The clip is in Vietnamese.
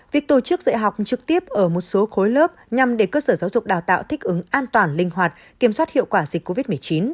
việc tổ chức dạy học trực tiếp ở một số khối lớp nhằm để cơ sở giáo dục đào tạo thích ứng an toàn linh hoạt kiểm soát hiệu quả dịch covid một mươi chín